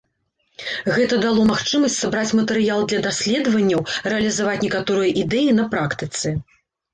Гэта дало магчымасць сабраць матэрыял для даследаванняў, рэалізаваць некаторыя ідэі на практыцы.